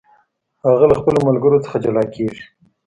هغه له خپلو ملګرو څخه جلا کیږي.